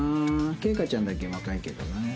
圭叶ちゃんだけ若いけどね。